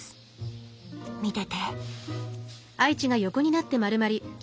見てて。